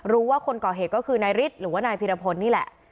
รู้ว่าคนก่อเหตุก็คือนายฤทธิ์หรือว่านายพีรพลนี่แหละ